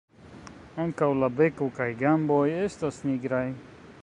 Ankaŭ la beko kaj gamboj estas nigraj.